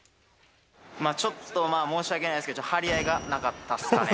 ちょっとまあ、申し訳ないですけど、張り合いがなかったっすかね。